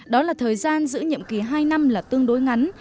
đó là thời gian giữ nhiệm kỳ hai năm là tương đối ngắn